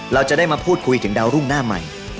เราจะได้มาพูดคุยถึงดาวรุ่งหน้าใหม่